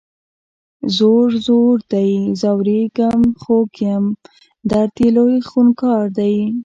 ځور، ځور دی ځوریږم خوږ یم درد یې لوی خونکار دی